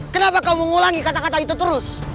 kenapa kau mengulangi kata kata itu terus